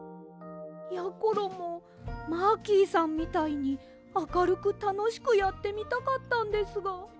やころもマーキーさんみたいにあかるくたのしくやってみたかったんですが。